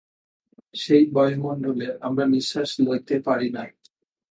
সেই বায়ুমণ্ডলে আমরা নিঃশ্বাস লইতে পারি না।